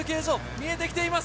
見えてきています。